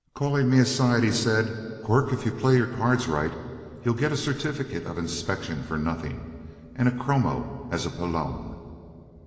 Calling me aside, he said: "Quirk, if you play your cards right, you'll get a certificate of inspection for nothing and a chromo as a pelon.